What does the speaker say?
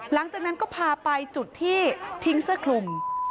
หลังจากนั้นก็พาไปจุดที่ทิ้งเสื้อคลุม